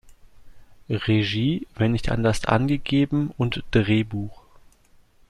Regie, wenn nicht anders angegeben, und Drehbuch